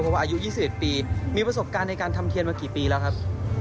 เพราะว่าอายุ๒๑ปีมีประสบการณ์ในการทำเทียนมากี่ปีแล้วครับ